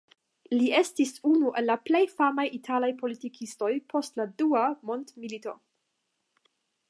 Li estis unu el la famaj italaj politikistoj post la Dua Mondmilito.